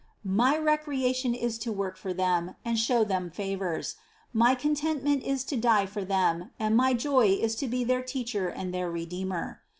My recreation is to work for them and show them favors: my contentment is to die for them and my joy is to be their Teacher and their Redeemer.